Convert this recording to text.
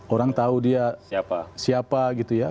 orang tahu dia siapa gitu ya